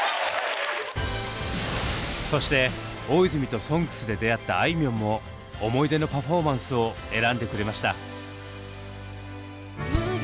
そして大泉と「ＳＯＮＧＳ」で出会ったあいみょんも思い出のパフォーマンスを選んでくれました。